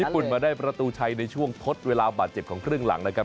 ปุ่นมาได้ประตูชัยในช่วงทดเวลาบาดเจ็บของครึ่งหลังนะครับ